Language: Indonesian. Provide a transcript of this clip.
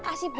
kalo udah bé